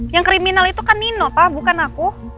yang kriminal itu kan nino pak bukan aku